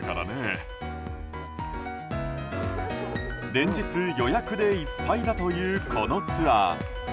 連日、予約でいっぱいだというこのツアー。